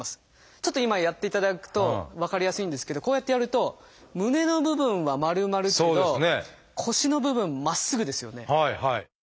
ちょっと今やっていただくと分かりやすいんですけどこうやってやると胸の部分は丸まるけど腰の部分まっすぐですよね。